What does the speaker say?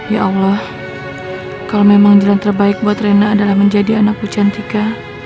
ya allah kalau memang jalan terbaik buat reina adalah menjadi anak bu cantika